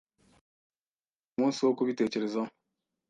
Nzaguha umunsi wo kubitekerezaho.